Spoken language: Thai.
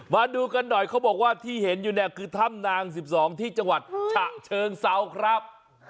มาดูกันหน่อยเขาบอกว่าที่เห็นอยู่เนี่ยคือถ้ำนาง๑๒ที่จังหวัดฉะเชิงเซาครับ